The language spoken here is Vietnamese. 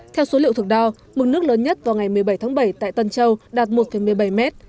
theo số liệu thực đo mực nước lớn nhất vào ngày một mươi bảy tháng bảy tại tân châu đạt một một mươi bảy mét